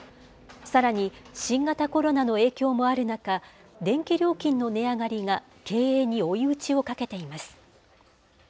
さらに、新型コロナの影響もある中、電気料金の値上がりが経営に追い打ちをかけています。